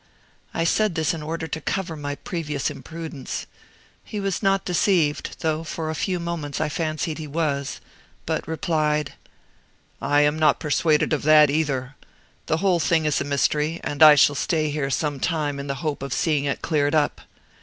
I said this in order to cover my previous imprudence. He was not deceived though for a few moments I fancied he was but replied: "I am not persuaded of that either. The whole thing is a mystery, and I shall stay here some time in the hope of seeing it cleared up.